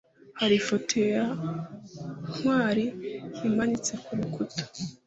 hariho ifoto ya ntwali yimanitse kurukuta